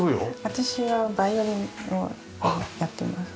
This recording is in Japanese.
私はバイオリンをやってます。